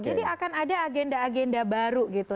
jadi akan ada agenda agenda baru gitu